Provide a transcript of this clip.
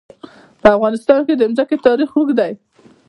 په افغانستان کې د ځمکه تاریخ اوږد دی.